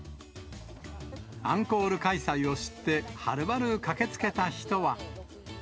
アンコール開催を知ってはるばる駆けつけた人は。